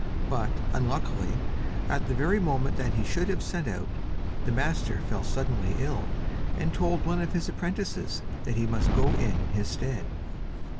But, unluckily, at the very moment that he should have set out, the master fell suddenly ill, and told one of his apprentices that he must go in his stead.